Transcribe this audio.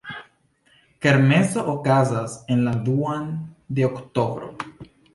Kermeso okazas en la duan de oktobro.